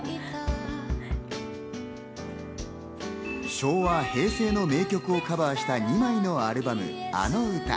昭和、平成の名曲をカバーした２枚のアルバム『あの歌』。